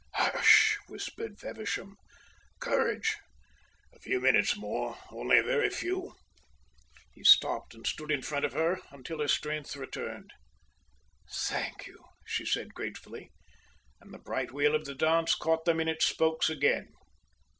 "Hush!" whispered Feversham. "Courage! A few minutes more only a very few!" He stopped and stood in front of her until her strength returned. "Thank you!" she said gratefully, and the bright wheel of the dance caught them in its spokes again.